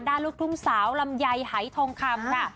ด้านลูกทุ่มสาวลำใยไถทองคำค่ะ